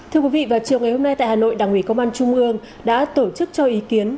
thưa quý vị vào chiều ngày hôm nay tại hà nội đảng ủy công an trung ương đã tổ chức cho ý kiến